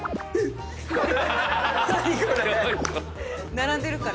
並んでるから。